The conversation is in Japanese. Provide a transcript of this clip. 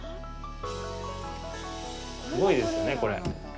すごいですよね、これ。